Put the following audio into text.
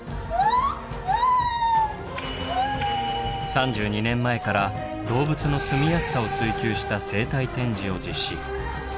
３２年前から動物のすみやすさを追求した生態展示を実施。